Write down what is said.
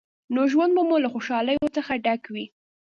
نو ژوند به مو له خوشحالیو څخه ډک وي.